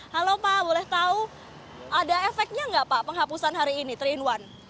halo pak boleh tahu ada efeknya nggak pak penghapusan hari ini tiga in satu